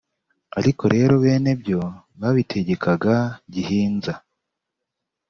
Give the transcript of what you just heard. ariko rero bene byo babitegekaga gihinza